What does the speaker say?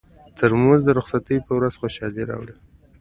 ترموز د رخصتۍ پر ورځ خوشالي راوړي.